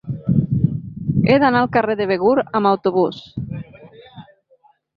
He d'anar al carrer de Begur amb autobús.